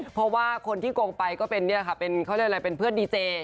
เพราะว่าคนที่โกงไปก็เป็นเขาเรียกอะไรเป็นเพื่อนดีเจ